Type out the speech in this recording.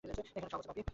এখানে সব আছে, পাপি।